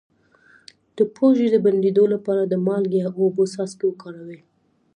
د پوزې د بندیدو لپاره د مالګې او اوبو څاڅکي وکاروئ